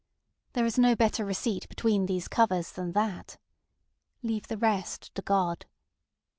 There is no better receipt between these covers than that. Leave the rest to God.